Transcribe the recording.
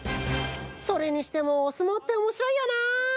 それにしてもおすもうっておもしろいよな。